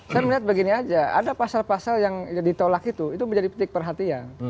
saya melihat begini saja ada pasar pasar yang ditolak itu menjadi petik perhatian